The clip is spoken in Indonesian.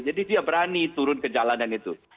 jadi dia berani turun ke jalanan itu